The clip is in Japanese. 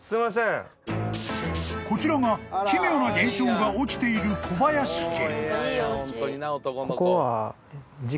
［こちらが奇妙な現象が起きている小林家］